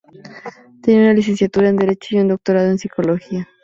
Tenía una licenciatura en derecho y un doctorado en psicología.